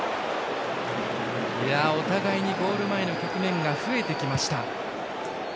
お互いにゴール前の局面が増えてきました。